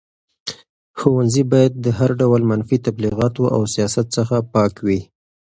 ښوونځي باید د هر ډول منفي تبلیغاتو او سیاست څخه پاک وي.